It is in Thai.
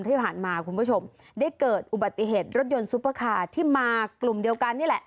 ที่ผ่านมาคุณผู้ชมได้เกิดอุบัติเหตุรถยนต์ซุปเปอร์คาร์ที่มากลุ่มเดียวกันนี่แหละ